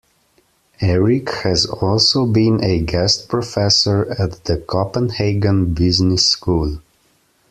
Erik has also been a guest professor at the Copenhagen Business School.